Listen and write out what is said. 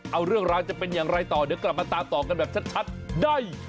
เอาเรื่องราวจะเป็นอย่างไรต่อเดี๋ยวกลับมาตามต่อกันแบบชัดได้